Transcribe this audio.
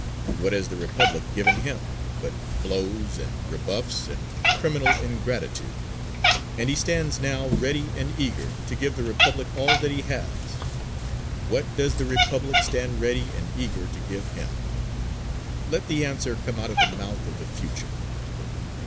What has the Republic given him, but blows and rebuffs and criminal ingratitude! And he stands now, ready and eager, to give the Republic all that he has. What does the Republic stand ready and eager to give him? Let the answer come out of the mouth of the future.